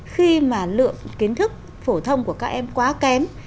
khi mà lượng kiến thức phổ thông của các em quá kém